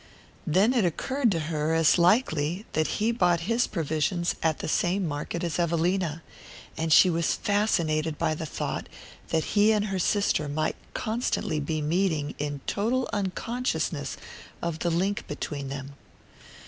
Then it occurred to her as likely that he bought his provisions at the same market as Evelina; and she was fascinated by the thought that he and her sister might constantly be meeting in total unconsciousness of the link between them.